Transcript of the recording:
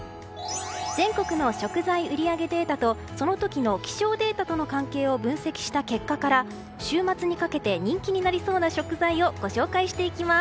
全国の食材売り上げデータとその時の気象データとの関係を分析した結果週末にかけて人気になりそうな食材をご紹介していきます。